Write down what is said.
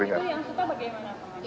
yang suta bagaimana pak